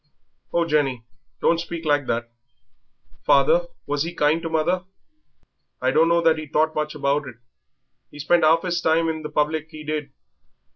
"Oh, Jenny, don't speak like that! Father, was he kind to mother?" "I dunno that he thought much about it; he spent 'alf 'is time in the public, 'e did.